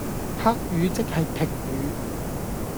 黑雨即係停雨